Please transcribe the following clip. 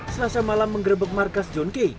selasa malam menggerebek markas john kay